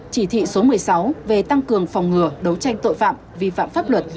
chỉ thị số một mươi sáu về tăng cường phòng ngừa đấu tranh tội phạm vi phạm pháp luật